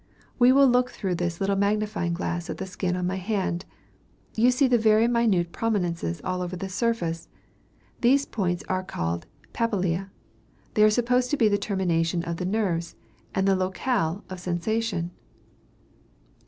We will look through this little magnifying glass at the skin on my hand. You will see very minute prominences all over the surface. These points are called papillae. They are supposed to be the termination of the nerves, and the locale of sensation.